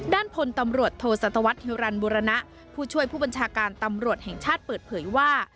ด้านพลตำรวจโทสัตวรรษฮิวรรณบุรณะผู้ช่วยผู้บัญชาการตำรวจแห่งชาติเปิดเผยว่า